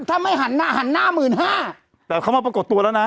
ถ้าไม่หันหน้าหันหน้าหมื่นห้าแต่เขามาปรากฏตัวแล้วนะ